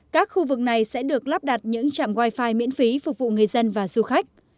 các khu vực này sẽ được lắp đặt những trạm wifi miễn phí phục vụ người dân và du khách